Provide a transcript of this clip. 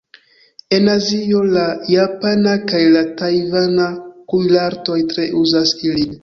En Azio, la japana kaj la tajvana kuirartoj tre uzas ilin.